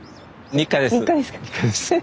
日課です。